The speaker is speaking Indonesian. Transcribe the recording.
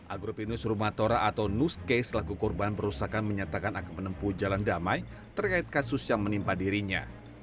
agropinus rumatora atau nuske selaku korban perusahaan menyatakan akan menempuh jalan damai terkait kasus yang menimpa dirinya